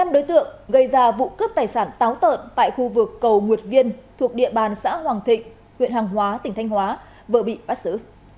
năm đối tượng gây ra vụ cướp tài sản táo tợn tại khu vực cầu nguyệt viên thuộc địa bàn xã hoàng thịnh huyện hàng hóa tỉnh thanh hóa vợ bị bắt xử